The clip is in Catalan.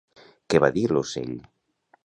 Què va dir l'ocell?